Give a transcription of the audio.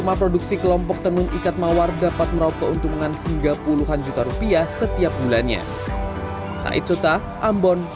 rumah produksi kelompok tenun ikat mawar dapat meraup keuntungan hingga puluhan juta rupiah setiap bulannya